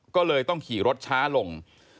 ก็เลยต้องขี่รถช้าลง